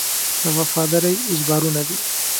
د وفادارۍ اجبارونه دي.